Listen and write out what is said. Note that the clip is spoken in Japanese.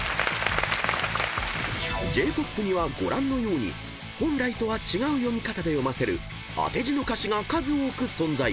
［Ｊ−ＰＯＰにはご覧のように本来とは違う読み方で読ませる当て字の歌詞が数多く存在］